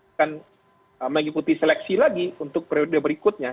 akan mengikuti seleksi lagi untuk periode berikutnya